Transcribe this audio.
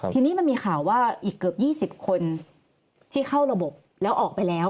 ทีนี้มันมีข่าวว่าอีกเกือบ๒๐คนที่เข้าระบบแล้วออกไปแล้ว